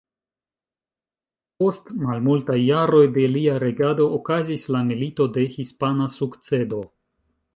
Post malmultaj jaroj de lia regado okazis la Milito de hispana sukcedo.